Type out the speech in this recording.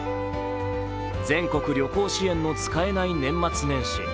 全国旅行支援の使えない年末年始。